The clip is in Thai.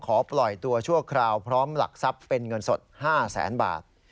ปล่อยตัวชั่วคราวพร้อมหลักทรัพย์เป็นเงินสด๕แสนบาท